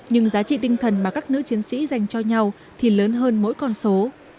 nhưng giá trị tinh thần mà các nữ chiến sĩ dành cho nhau thì lớn hơn mỗi con số